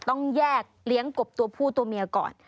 ต้องแยกเลี้ยงกบตัวผู้ตัวเมียก่อน